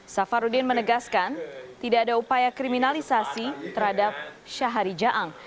safarudin menegaskan tidak ada upaya kriminalisasi terhadap syahari jaang